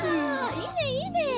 いいねいいね！